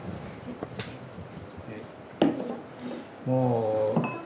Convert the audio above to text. もう。